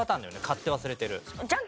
買って忘れてる。